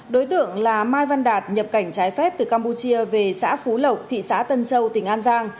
đối tượng là mai văn đạt nhập cảnh trái phép từ campuchia về xã phú lộc thị xã tân châu tỉnh an giang